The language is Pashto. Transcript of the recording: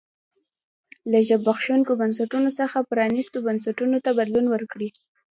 له زبېښونکو بنسټونو څخه پرانیستو بنسټونو ته بدلون وکړي.